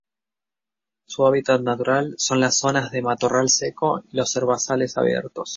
Su hábitat natural son las zonas de matorral seco y los herbazales abiertos.